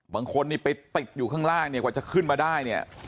บางคนนี่ไปติดอยู่ข้างล่างเนี่ยกว่าจะขึ้นมาได้เนี่ย